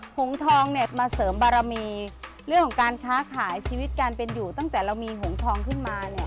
หงทองเนี่ยมาเสริมบารมีเรื่องของการค้าขายชีวิตการเป็นอยู่ตั้งแต่เรามีหงทองขึ้นมาเนี่ย